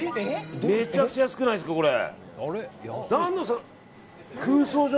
めちゃくちゃ安くないですかこれ。